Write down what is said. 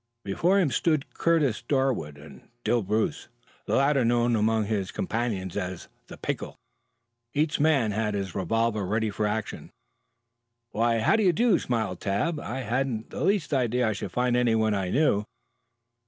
Before him stood Curtis Darwood and Dill Bruce, the latter known among his companions as the Pickle. Each man held his revolver ready for quick action. "Why, how do you do?" smiled Tad. "I hadn't the least idea I should find anyone I knew."